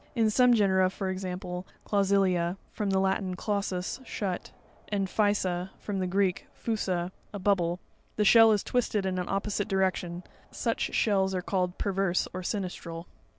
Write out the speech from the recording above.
In some genera, for example, Clausilia (from the Latin, clausus, shut, fig. 25, page 40) and Physa (from the Greek, phusa, a bubble, fig. 30, page 42), the shell is twisted in an opposite direc tion: such shells are called '" per verse," or "sinistral."